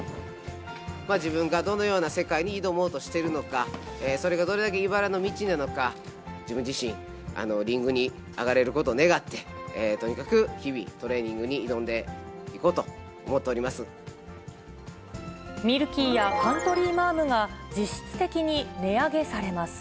自分がどのように世界に挑もうとしているのか、それがどれだけいばらの道なのか、自分自身リングに上がれることを願って、とにかく日々、トレーニングに挑んでいこうと思っております。